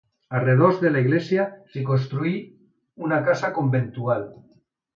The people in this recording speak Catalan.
A redós de l'església s'hi construí una casa conventual.